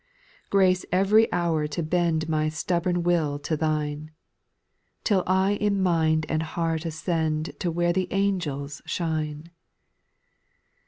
■ 3. Grace every hour to bend My stubborn will to Thine. Till I in mind and heart ascend To where the angels shine.